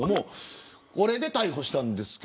これで逮捕したんです。